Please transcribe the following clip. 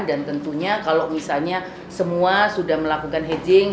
dan tentunya kalau misalnya semua sudah melakukan hedging